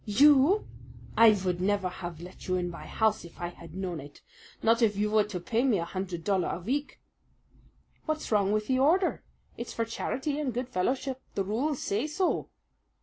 "You! I vould never have had you in my house if I had known it not if you vere to pay me a hundred dollar a veek." "What's wrong with the order? It's for charity and good fellowship. The rules say so."